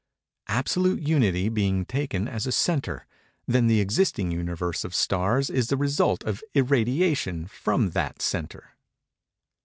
Absolute Unity being taken as a centre, then the existing Universe of stars is the result of irradiation from that centre.